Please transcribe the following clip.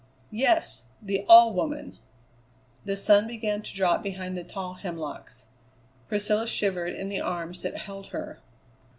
"Yes, the All Woman." The sun began to drop behind the tall hemlocks. Priscilla shivered in the arms that held her.